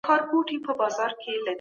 ځواني تر زړښت ډېره ځواکمنه وي.